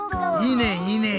いいねいいね！